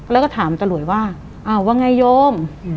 แล้วก็ถามตาหลวยว่าว่าไงโยม